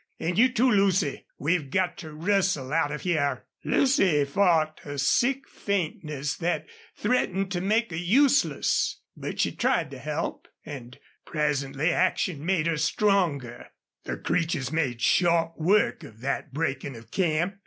An' you, too, Lucy. We've got to rustle out of hyar." Lucy fought a sick faintness that threatened to make her useless. But she tried to help, and presently action made her stronger. The Creeches made short work of that breaking of camp.